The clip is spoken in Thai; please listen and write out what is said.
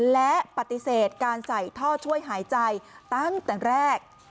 และปฏิเสธการใส่ท่อช่วยหายใจตั้งแต่แรก